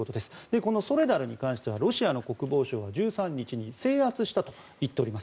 このソレダルに関してはロシアの国防省は１３日に制圧したといっております。